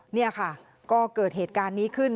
นี่ค่ะก็เกิดเหตุการณ์นี้ขึ้น